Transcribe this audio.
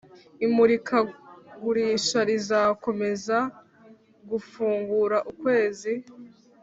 imurikagurisha rizakomeza gufungura ukwezi.